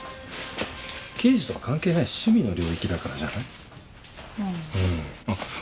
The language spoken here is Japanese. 刑事とは関係ない趣味の領域だからじゃない？ああ。